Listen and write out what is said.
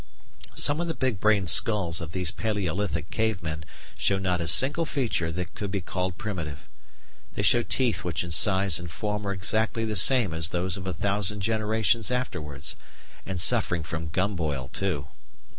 Some of the big brained skulls of these Palæolithic cave men show not a single feature that could be called primitive. They show teeth which in size and form are exactly the same as those of a thousand generations afterwards and suffering from gumboil too!